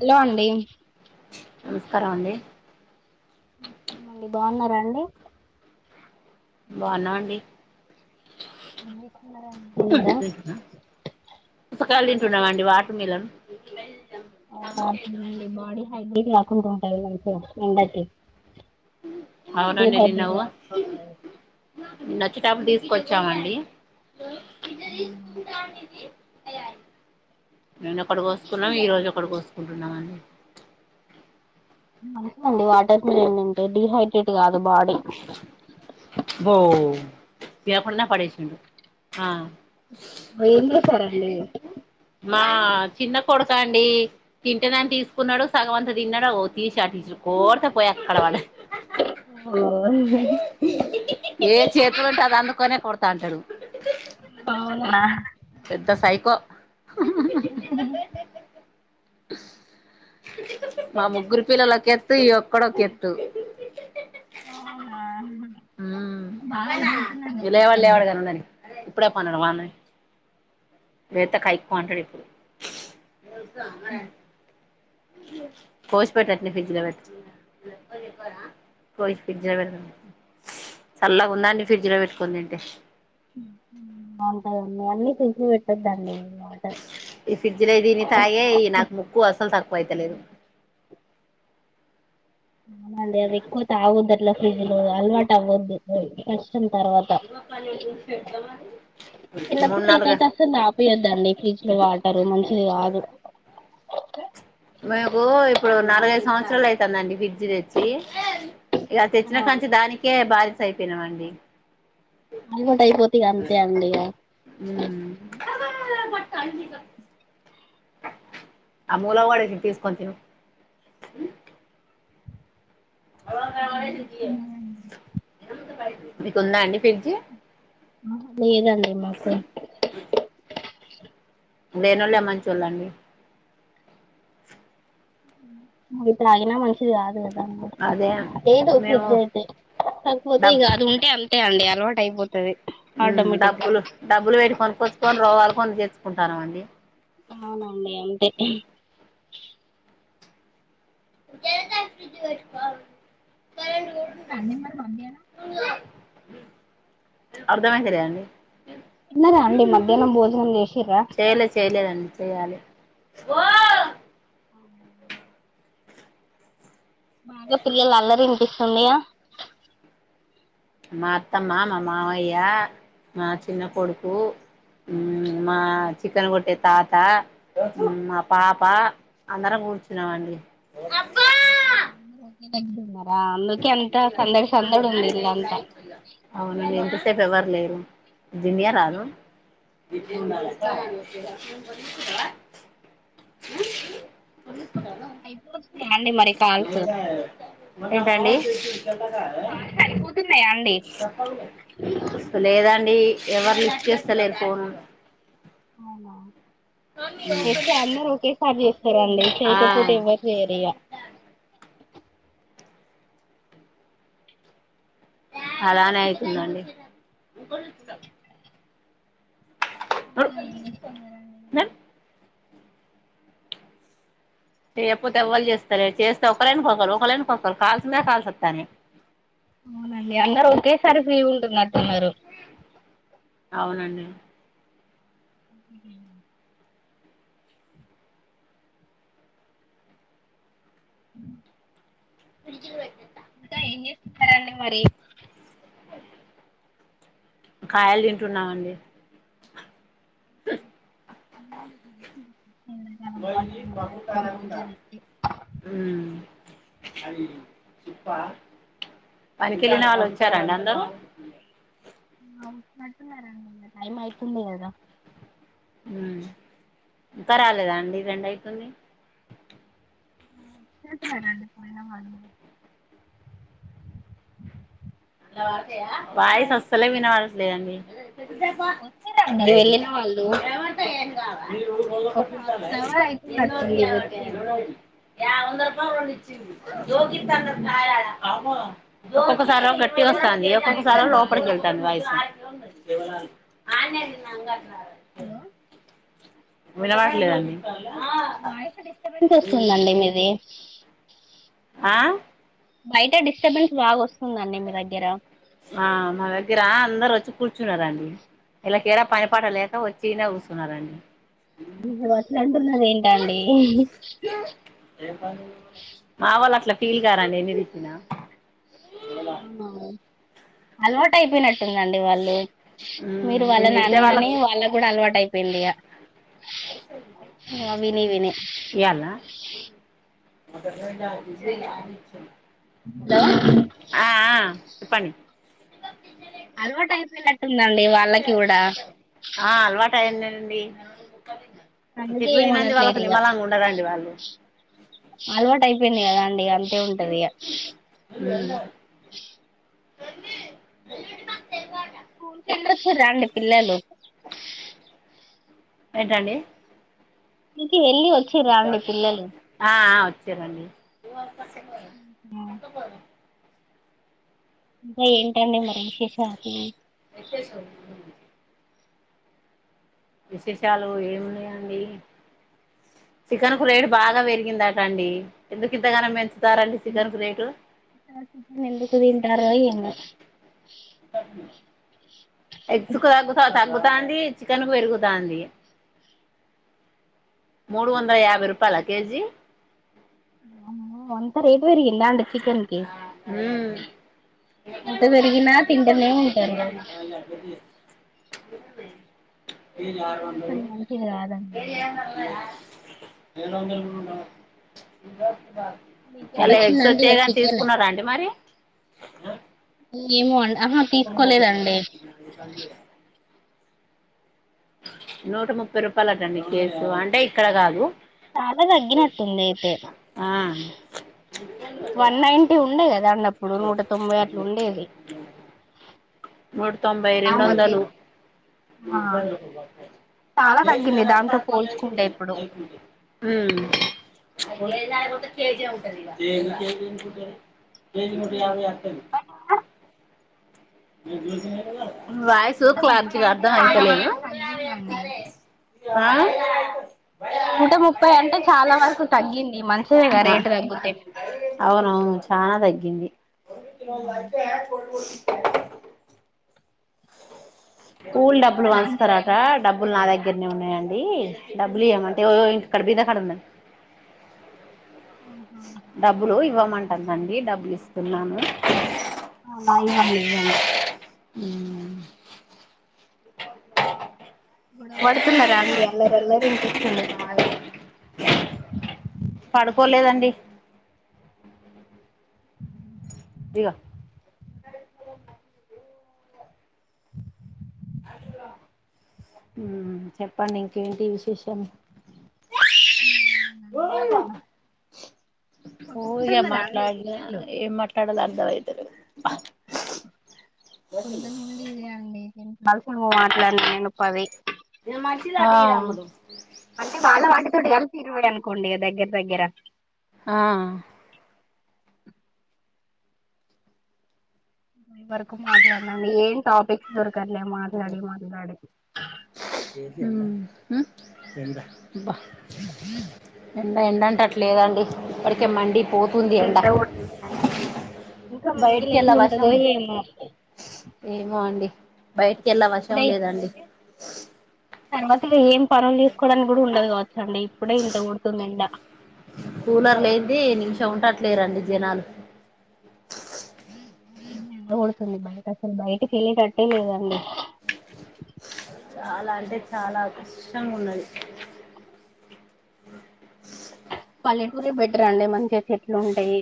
Hello అండి చ్ నమస్కారం అండి మీ బావున్నారా అండి బావున్నాం అండి ముంగిసా ఉ తిగ్న స గలీజ్ ఉండవా అండి వాటర్ మిలన్ అవునా అవునండి బాడీ అయితే ఎక్కువుగా ఉంటాయి [unintelligible] డి హైడ్రెట్ [unintelligible] నచ్చేటబ్ప్పు తీసుకొచ్చామండి. అవునా నిన్నక్కడ కోసుకున్నాం ఈ రోజు ఇక్కడ కోసుకుంటున్నామండి. మంచిదండి వాటర్ంటే డిహైడ్రేట్ కాదు బాడీ బో ఏపన్న పడేసుండు ఆ సరేలే మా చిన్న కొడుక అండి తింటనేని తీసుకున్నాడు సగవంత తిన్నాడు తీ షా అట్టలు కోరత పోయా అక్కడపడ ఓ ఏ చేతులు ఉంటే అది అందుకనే కొర్తా అంటారు అవునా పెద్ద సైకో మా ముగ్గురు పిల్లలు ఒకే ఒక్కడు ఒక ఎత్తు అవునా బాగా నవ్వుతున్నారు కదా ఇ లేవాడు పిల్లలు లేవాడు కాని ఉండని ఇప్పుడ పన్నడు పైనయే లేతే కైక్ అంటాడు ఇప్పుడు [unintelligible] కోసిపట్టచ్చండి ఫ్రిడ్జ్ లో పెట్టు కోసి ఫ్రిడ్జ్ లో పెట్టం చల్లాగా ఉందాండి ఫ్రిడ్జ్ లో పెట్టుకోని ఏంటే అకా ఉన్నా అన్నీ తె పెట్ ఈ ఫ్రిడ్జిలో దీని తాయే ఈ నాకు ముక్కు అసలు తక్కువ అయితలేదు అ అది ఎక్కువత ఆవదుల్ ఫ్రిజ్లు అల్వాటు ఆవద్దు వచ్చ తర్వాత చిన్న మూడు నాలుగు పిల్లలకయితే అసలు ఆపయొద్దండి ఫ్రిడ్జ్ లో వాటరు మంచిది కాదు మీకు ఇప్పుడు నాలుగై ఐదు సంవత్సరాలు అవుతుందండి ఫ్రిడ్జి తెచ్చి ఇక తెచ్చిన కాంచి దానికే బార అయిపోయినామండి అలవాటయిపోతే అంతే అడి ఉమ్ [unintelligible] ఆ మూలా వాడేసి తీసుకొ తిను బేంచేస్తున్నారునండి మీకుందా అండి ఫ్రిడ్జ్ లేదండి మాకు లేనోళ్లే మంచోళండి ఇతే ఆగిన మనుషిది కాదు అ అదే ఏద మేము ఫజ్ అయితేపోతే డబ్ ఉ అంతే అండి అలవాటు అయిపోతుది యూ డబ్బులు డబ్బులు పెట్టుకొని కొచ్చుకొని రోగాలు కొని తెచ్చు కొంటానం అండి అవునా నే అంటె ఫ్రి వట్కో ఇవి అన్ని మన మమ్మీ ఐనా అర్థం అయిత లేదండి తిన్నారా అండి మధ్యాహ్నం భోజనం చేసిర్రా ఓ బాగా పిల్లల అల్లరి వినిపిస్ తున్నాయా మా అత్తమ్మ మా మావయ్య మా చిన్న కొడుకు మా చికెన్ కొట్టే తాత మా పాప అందరం కూర్చున్నామండి [unintelligible] అంతా సందడి సందడి ఉంది ఇల్లంతా అవునా ఎంత సే రేపు ఎవరు లేరు దీనే రాను అయిపోతున్నాయా అండి మరి కాల్స్ ఏంటి అండి సరిపోతున్నాయా అండి లేదు అండి ఎవరు లిఫ్ట్ చేస్త లేరు ఫోను అవునా చేస్తే అందరూ ఒకేసారి చేస్ సరే అండి ఆ చెయ్యకపోతే ఎవరు చెయ్యరు ఇక ఆ అలానే అయితుందండి ఇంకా ఏం చేస్తున్నారండి మీరు చేయకపోతే ఎవరు చేస్తలేరు చేస్తే ఒక్కరు వెనకాల ఒక్కరు వెనకాల కాల్స్ మీదా కాల్స్ వస్తన్నాయి అవునండి అందరూ ఒకేసారి ఫ్రీ ఉంటున్నట్టున్నారు అవునండి అ అ గుజ ఇంకా ఏం చేస్తున్నారండి మరి కాయలు తింటున్నామండీ ఆ [unintelligible] వాటర్ యూ మిలన్ కర్బూజ తింటే పనికి వెళ్లిన వాళ్లు వచ్చారా అండి అందరూ టైం అవుతుంది కదా యూ ఇంకా రాలేదా అండి రెండు అయితుంది చే రండి పోయినా వా అని వాయిస అస్సలే వినబడట్లే అండి అద వచ్చిరండి వెళ్ళిన వాళ్ళు [inaudible] నావ మీరు ఒక చంత హాఫ్ భ అన్ అవర్ ఏ అయితున్నట్టుంది వచ్చి తీ రనౌ మళ్ళీ [inaudible] ఏయా వంద రూపాలు కొట్టియి జొకిత్తన్నడు కాయాల ఆడ ఒక సారొకట్ డిస్టబెన్స్ వస్తంది వస్తుందండి ఒక్కొక్కసారి లోపలికి బాగా వెళ్తంది వాయిస్ ఆ ద [inaudible] హలో వినబట్లేదండి వాయిస్ డిస్టబెన్స్ వస్తుందండి మీది ఆ ఆ బయట డిస్టర్బెన్స్ బాగా వస్తుందండి మీ దగ్గర ఆ మా దగ్గర అందరు వచ్చి కూర్చున్నరండి ఇళ్ళకేడ పని పాట లేక వచ్చిన్నే కుస్ నా రండి ఓహ్ అట్లఅంటున్నది ఏంట అండి మా వాళ్ళు అట్లా ఫీల్ కారండి ఎన్ని తిట్టిన అవునా అలవాటు అయిపోయినట్టుందండి వాళ్ళు మీరు వాళ్ళ నేను తిడితే నాని అని వాళ్ళకు వాళ్ళ కూడా అలవాటు అయి హెల్దీగ మా విని విని అ [inaudible] హలో పని అల్వటైప్ ల ఆ అల్వటయినేన్ టీ అందుకే తిట్లు తినంది వాళ్ళకు ఏమనట్లేరు ఇగ నిమ్మలంగఉండరండి వాళ్ళు అలవాటు అయిపోయింది కదా అండి అంతే ఉంటది ఇగ [inaudible] స్కూల్కెల్లొచ్చిరండి పిల్లలు ఏంటండి స్కూల్ కి వెళ్ళి వచ్చిర్రా అండి పిల్లలు ఆ వచ్చారండి ఏంటండి మరి విసేషిన విశేషాలు ఏమిన్నాయండి చికెన్ కు రేటు బాగా పెరిగిందాట అండి ఎందుకు ఇంతగానో పెంచుతారండి చికెన్ కు రేటు ఎందుకు తింటారొ ఎమె ఎ చుకద గుసాతా గుతుంది చికెన్ పెరుగుతుంది మూడు వందల యాభై రూపాయల కేజీ ఆ ఒంతర ఇవరి అండీ చికననికి మ్మ్ ఎంత పెరిగినా తింటనే ఉంటారు ఏరు చికెన్ వందరు అసలు మంచిది కాదండి ఏలో జలుగు వీకెండ్ అ ఎ వచ్చిందంటే వచ్చ ఇక ని చికెన్ తీసుకున్నారా అండి మరి గేమ అండ్ బ నూట ముప్పై రూపాయల అటండి కేసు అంటే ఇక్కడ కాదు చాలా తగ్గినట్టుంది అయితే ఆ వన్ నైన్టీ ఉండే కదా అండి అప్పుడు నూట తొంభై అట్లు ఉండేది నూట తొంభై ఆ రెండు వందలు మధ్యలో ఆ హ్మ్ చాలా తగ్గింది దాంతో పోల్చుకుంటే ఇప్పుడు కేజ కే కేజ కేజీ అ [unintelligible] వాయిసు నూట ముప్పై క్లాంటి అంటే కదా చాలా అయిసలేదు వరకు ఉందండి నూట ముప్పై అంటే చాలా వరకు తగ్గింది మంచిదేగా ఆ రేటు తగ్గితే ంది ఒక కి అయితే పూలు డబ్బులు వంచుస్తారట డబ్బులు నా దగ్గరనే ఉన్నాయండి డబ్బలి అమంట ఇ కడబీద కడమ డబ్బులు ఇవ్వమంటుందండి డబ్బులు ఇస్తున్నాను ఇవ్వండి ఇవ్వండి మ్మ్ గొడవ పడుతున్నారా అండి అల్లరి అల్లరి వినిపిస్తుంది బాగా పడుకోలేదండి ఇగా చెప్పండి ఇంకేంటి విశేషం పో ఇగా కొట్టుకుంటున్నారా అండి మాట్లాడ పిల్లలు ఏం మాట్లాడలా [unintelligible] పొద్దు నుండి ఇదే అండి దీనికి మాట్లాడినా నేను పది అంటే వాళ్ళ వాటితో [unintelligible] ఇరవై అనుకండి దగ్గర దగ్గర ఆ వరకు మాట్లాడన అండి ఏం టాపిక్స్ దొ [unintelligible] మాట్లాడి మాట్లాడి ఎండ ఎండ అట్లేదండి ఇప్పటి ఎంతండి ఇంకా మేలో ఎట్లుంటందో ఏమో ఏమోండి బయ ఎలా వశం లేదండి తరువాత పనులు చేసుకోవడానికి కూడా ఉండదు కావచ్చ అండి ఇప్పుడే ఇంత కొడుతుంది ఎండ ఉంటట్లేరండి జనాలు ఆ ఫుల్ ఎండ కూడుతుంది బయట అసలు బయటకి వెళ్ళేటట్టే లేదండి చాలా అంటే చాలా కృష్టంగా ఉన్నది పల్లెటూర బెటర్ అండి మంచిగా చెట్లు ఉంటాయి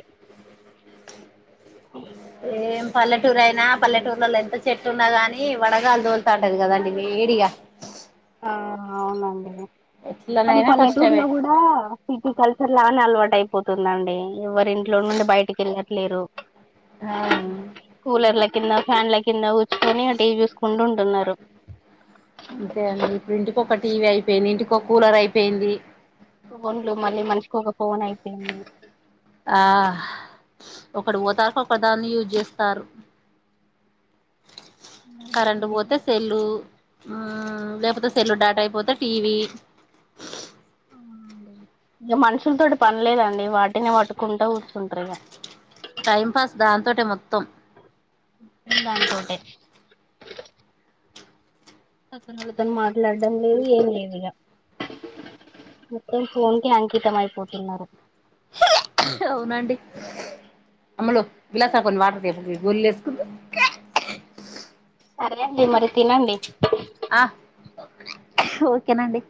ఏం పల్లెటూరు అయినా పల్లెటూర్లలో ఎంత చెట్టు ఉన్నా గాని వడగాలు దోలుతా ఉంటది కదండి వేడిగా ఆ అవునండి కానీ ఎట్లనైనా పల్లెటూర్ కష్టమే లో కూడా సిటీ కల్చర్ లా అని అలవాటు అయిపోతుందండి ఎవరి ఇంట్లో నుండి బయటికి వెళ్ళట్లేరు ఆ కూలర్ల కింద ఫ్యాన్ల కింద కూర్చుకొని టీవీ చూసుకుంటూ ఉంటున్నారు అంతే అండి ఇప్పుడు ఇంటికి ఒక టీవీ అయిపోయింది ఇంటికి ఒక కూలర్ అయిపోయింది ఫోన్లు మళ్ళీ మనిషికి ఒక ఫోన్ అయిపోయింది ఆ ఒకటి పోతాక ఒక దాన్ని యూజ్ చేస్తారు కరెంట్ పోతే సెల్లు ఆ లేకపోతే సెల్లు డేటా అయిపోతే టీవీ ఇంక మనుషుల తోటి పనిలేదండి వాటిని పట్టుకుంటా కూర్చుంటారు ఏమో టైం పాస్ దాంతోటే మొత్తం ఉమ్ దాంతోటే పక్కనోళ్ళతోను మాట్లాడడం లేదు ఏం లేదు ఇగ మొత్తం ఫోన్ కే అంకితం అయిపోతున్నారు అవునండి సరే అండి మరి తినండి హా ఓకేనండి